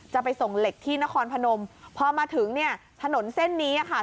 จะไปส่งเหล็กที่นครพนมพอมาถึงเนี่ยถนนเส้นนี้ค่ะ